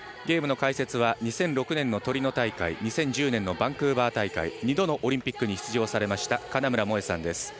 ゲームの解説は２００６年のトリノ大会２０１０年バンクーバー大会２度のオリンピックに出場されました金村萌絵さんです。